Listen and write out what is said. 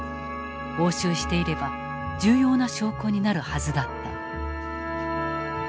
押収していれば重要な証拠になるはずだった。